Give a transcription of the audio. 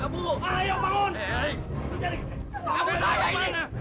ayo kerja lagi